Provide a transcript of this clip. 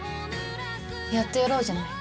「やってやろうじゃない。